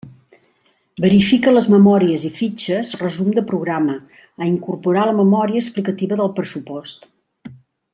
Verifica les memòries i fitxes resum de programa, a incorporar a la memòria explicativa del pressupost.